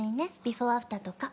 ビフォーアフターとか。